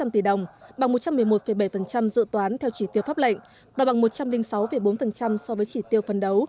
ba trăm ba mươi năm sáu trăm linh tỷ đồng bằng một trăm một mươi một bảy dự toán theo chỉ tiêu pháp lệnh và bằng một trăm linh sáu bốn so với chỉ tiêu phần đấu